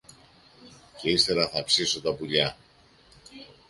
και ύστερα θα ψήσω τα πουλιά